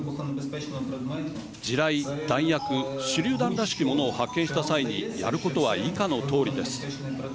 地雷、弾薬手りゅう弾らしきものを発見した際にやることは以下のとおりです。